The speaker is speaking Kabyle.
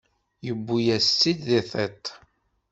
Yewwi-yas-tt-id di tiṭ.